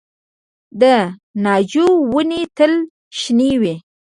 د ناجو ونې تل شنې وي؟